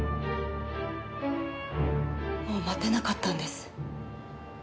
もう待てなかったんです。